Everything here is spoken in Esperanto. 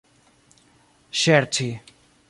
ŝerci